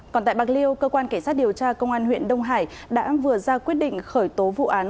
còn tại bạc liêu cơ quan cảnh sát điều tra công an huyện đông hải đã vừa ra quyết định khởi tố vụ án